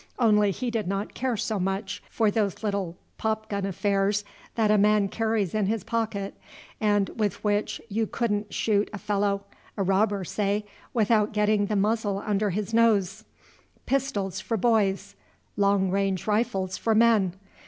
Only he did not care so much for those little popgun affairs that a man carries in his pocket, and with which you could n't shoot a fellow, a robber, say, without getting the muzzle under his nose. Pistols for boys; long range rifles for men.